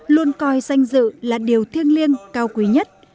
luôn coi danh dự là điều thiêng liêng cao quý nhất